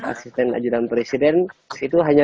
asisten ajudan presiden itu hanya